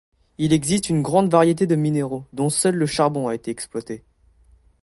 Il existe une grande variété de minéraux, dont seul le charbon a été exploité.